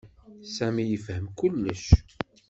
Sami yefhem kullec.